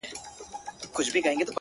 قدم کرار اخله زړه هم لکه ښيښه ماتېږي-